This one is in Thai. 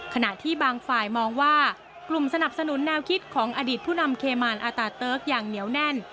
ขณะที่บางฝ่ายมองว่ากลุ่มสนับสนุนแนวคิดของอดีตผู้นำเคมานอาตาเติร์กอย่างเหนียวแน่น